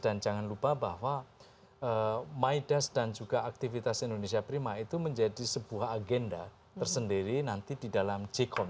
dan jangan lupa bahwa midas dan juga aktivitas indonesia prima itu menjadi sebuah agenda tersendiri nanti di dalam jcom